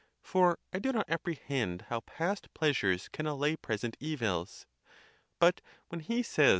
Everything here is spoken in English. For I do not apprehend how past pleasures can allay present evils. But when he says.